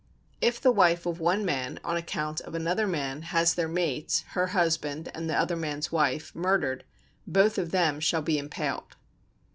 If the wife of one man on account of another man has their mates [her husband and the other man's wife] murdered, both of them shall be impaled.